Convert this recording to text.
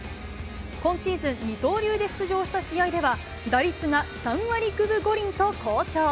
今シーズン、二刀流で出場した試合では、打率が３割９分５厘と好調。